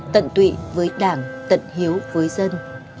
tận tụy với đảng tận hiếu với dân